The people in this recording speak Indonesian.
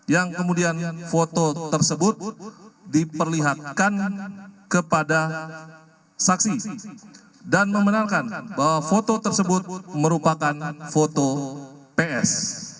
yang kemudian foto tersebut diperlihatkan kepada saksi dan membenarkan bahwa foto tersebut merupakan foto ps